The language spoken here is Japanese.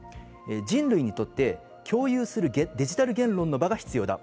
人類にとって共有するデジタル言論の場が必要だ。